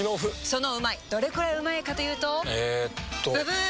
そのうまいどれくらいうまいかというとえっとブブー！